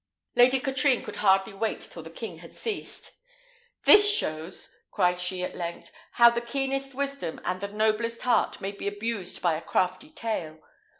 Lady Katrine could hardly wait till the king had ceased. "This shows," cried she at length, "how the keenest wisdom and the noblest heart may be abused by a crafty tale.